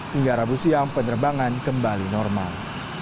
hingga rabu siang penerbangan kembali normal